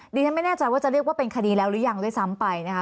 ดิฉันไม่แน่ใจว่าจะเรียกว่าเป็นคดีแล้วหรือยังด้วยซ้ำไปนะคะ